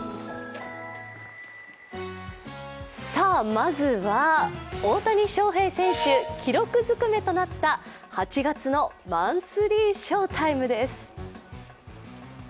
まずは、大谷翔平選手、記録づくめとなった８月の「マンスリーＳＨＯ−ＴＩＭＥ」です。